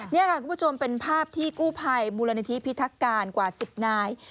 นี่ค่ะคุณผู้ชมเป็นภาพที่กู้ภัยมูลนิธิพิทักการกว่า๑๐นาย